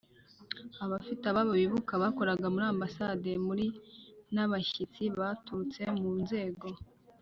abafite ababo bibuka bakoraga muri Ambasade muri n abashyitsi baturutse mu nzego